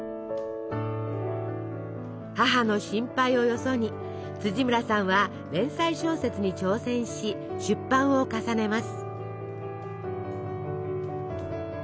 母の心配をよそに村さんは連載小説に挑戦し出版を重ねます。